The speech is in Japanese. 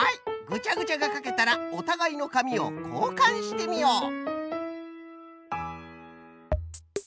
ぐちゃぐちゃがかけたらおたがいのかみをこうかんしてみよう。